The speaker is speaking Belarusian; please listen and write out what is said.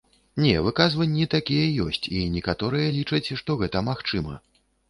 Не, выказванні такія ёсць і некаторыя лічаць, што гэта магчыма.